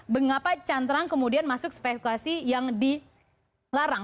mengapa cantrang kemudian masuk spekulasi yang dilarang